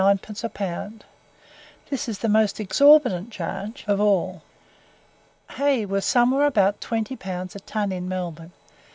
a pound; this is the most exorbitant charge of all. Hay was somewhere about 20 pounds a ton in Melbourne.